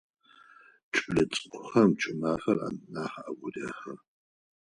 Кӏэлэцӏыкӏухэм кӏымафэр нахь агу рехьы.